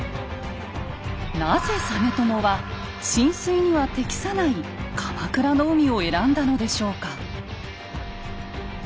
なぜ実朝は進水には適さない鎌倉の海を選んだのでしょうか？